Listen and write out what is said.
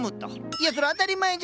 いやそれ当たり前じゃん。